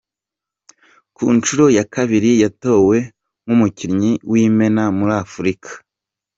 Ku nshuro ya kabiri yatowe nk’umukinnyi w’imena muri Afurika